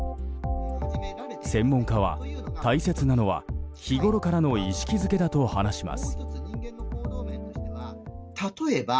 専門家は、大切なのは日ごろからの意識付けだと話します。